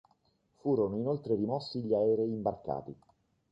Furono inoltre rimossi gli aerei imbarcati.